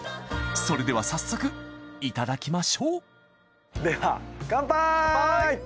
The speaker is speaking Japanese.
それでは早速いただきましょうではかんぱい！